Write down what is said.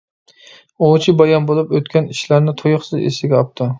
ئوۋچى بايام بولۇپ ئۆتكەن ئىشلارنى تۇيۇقسىز ئېسىگە ئاپتۇ.